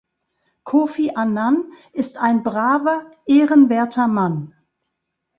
Kofi Annan ist ein braver, ehrenwerter Mann.